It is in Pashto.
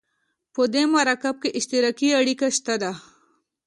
په دې مرکب کې اشتراکي اړیکه شته ده.